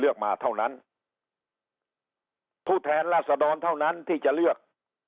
เลือกมาเท่านั้นผู้แทนราษดรเท่านั้นที่จะเลือก